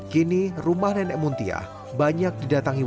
kini rumah nenek muntiah banyak didatangi warga